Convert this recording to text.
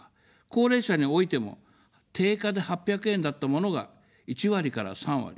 高齢者においても、定価で８００円だったものが１割から３割。